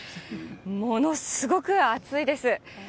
ものすごく暑いです。